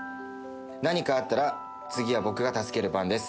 何かあったら、次は僕が助ける番です。